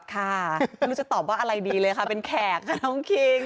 ค่ะไม่รู้จะตอบว่าอะไรดีเลยค่ะเป็นแขกค่ะน้องคิง